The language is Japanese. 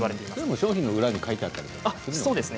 商品の裏に書いてあったりしますよね。